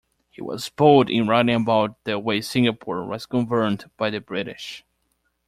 He was bold in writing about the way Singapore was governed by the British.